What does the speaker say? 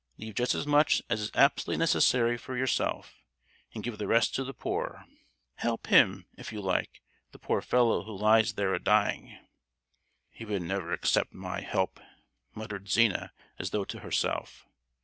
Leave just as much as is absolutely necessary for yourself, and give the rest to the poor. Help him, if you like, the poor fellow who lies there a dying!" "He would never accept my help!" muttered Zina, as though to herself.